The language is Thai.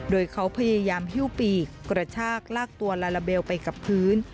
โดยเขาพยายามหิ้วปีกกระชากลากตัวลาลาเบลไปกับพื้น